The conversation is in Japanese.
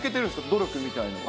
努力みたいなのは？